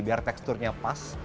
biar teksturnya pas